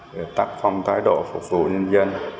để tác phong thái độ phục vụ nhân dân